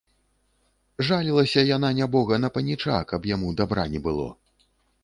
Жалілася яна, нябога, на паніча, каб яму дабра не было!